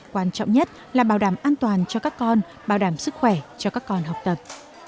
quan trọng nhất là bảo đảm an toàn cho các con bảo đảm sức khỏe cho các con học tập